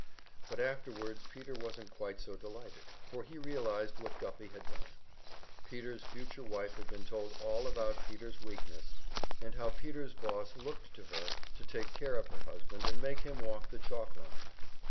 But afterwards Peter wasn't quite so delighted, for he realized what Guffey had done. Peter's future wife had been told all about Peter's weakness, and how Peter's boss looked to her to take care of her husband and make him walk the chalkline.